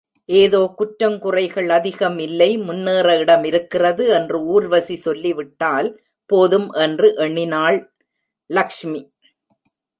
ஏதோ குற்றங்குறைகள் அதிகம் இல்லை, முன்னேற இடமிருக்கிறது என்று ஊர்வசி சொல்லிவிட்டால் போதும் என்று எண்ணினாள் லசஷ்மி.